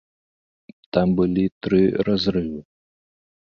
Там былі тры разрывы.